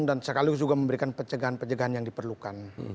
dan sekali lagi juga memberikan pencegahan pencegahan yang diperlukan